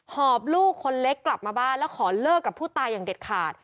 หอบลูกคนเล็กกลับมาบ้านแล้วขอเลิกกับผู้ตายอย่างเด็ดขาด